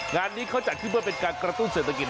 งานนี้เขาจัดขึ้นเพื่อเป็นการกระตุ้นเศรษฐกิจ